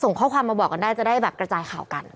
ส่งข้อความมาบอกกันได้จะได้แบบกระจายข่าวกัน